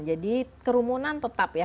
jadi kerumunan tetap ya